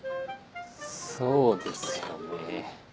そうですよね。